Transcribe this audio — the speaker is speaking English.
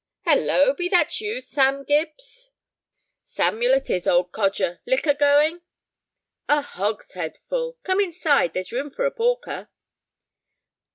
"Hallo! Be that you, Sam Gibbs?" "Samuel it is, old codger. Liquor going?" "A hogshead full. Come inside; there's room for a porker."